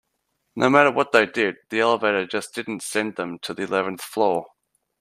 No matter what they did, the elevator just didn't send them to the eleventh floor.